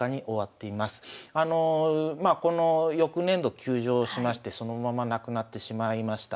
まあこの翌年度休場しましてそのまま亡くなってしまいました。